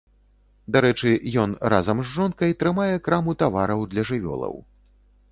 Дарэчы, ён разам з жонкай трымае краму тавараў для жывёлаў.